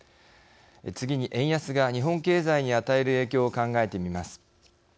次に、円安が日本経済に与える影響を考えてみます。